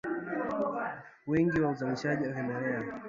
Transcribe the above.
Wingi wa uzalishaji wa vimelea